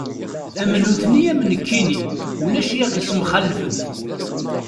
Am nutni am nekkini ulac i aɣ-isemxallfen.